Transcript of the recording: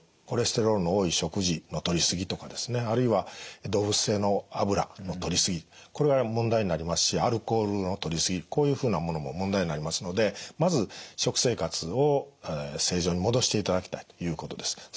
コレステロールの多い食事のとりすぎとかですねあるいは動物性の油のとりすぎこれは問題になりますしアルコールのとりすぎこういうふうなものも問題になりますのでまず食生活を正常に戻していただきたいということです。